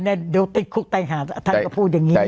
เดี๋ยวติดคลุกใต้แต่งหาท่านก็พูดอย่างนี้